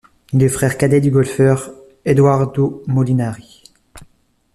Il est le frère cadet du golfeur Edoardo Molinari.